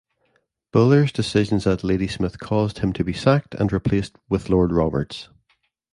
Buller's decisions at Ladysmith caused him to be sacked and replaced with Lord Roberts.